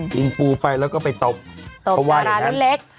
กิงปูไปแล้วก็ไปตบเขาไว่เลย